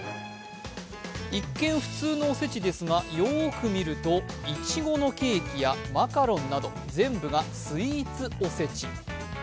一見、普通のおせちですが、よーく見ると、いちごのケーキやマカロンなど、全部がスイーツおせち。